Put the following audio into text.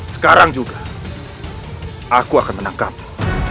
sekarang juga aku akan menangkapmu